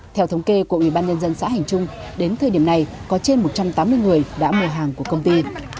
theo thống kê của ủy ban nhân dân xã hành trung đến thời điểm này có trên một trăm tám mươi người đã mua hàng của công ty